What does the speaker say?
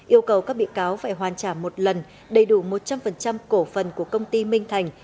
yêu cầu các bị cáo phải hoàn trả một lần đầy đủ một trăm linh cổ phần của công ty minh thành